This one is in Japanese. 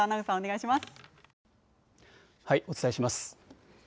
お伝えします。